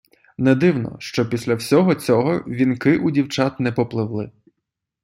Не дивно, що після всього цього вінки у дівчат не попливли.